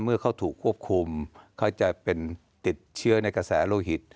เมื่อเขาถูกควบคุมเขาจะเป็นติดเชื้อในกระแสโลหิต